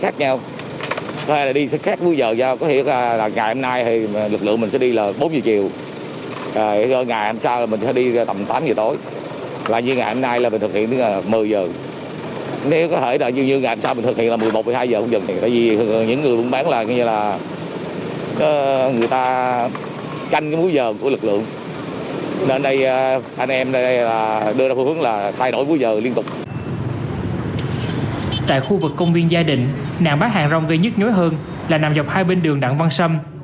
tại khu vực công viên gia đình nạn bán hàng rong gây nhức nhối hơn là nằm dọc hai bên đường đảng văn sâm